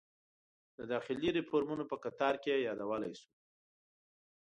د داخلي ریفورومونو په قطار کې یادولی شو.